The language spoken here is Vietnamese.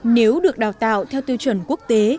nếu được đào tạo theo tiêu chuẩn quốc tế